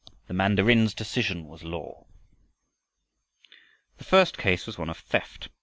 The mandarin's decision was law. The first case was one of theft.